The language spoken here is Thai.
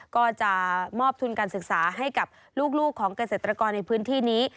ก็จะมอบทุนการศึกษาให้กับลูกของเกษตรกรในพื้นที่นี้